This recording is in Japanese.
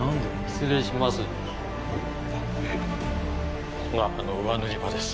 失礼します。